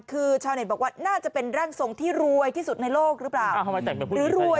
คือชาวเน็ตบอกว่าน่าจะเป็นร่างทรงที่รวยที่สุดในโลกหรือเปล่าอ้าวทำไมแต่งไปพูดอยู่ไทย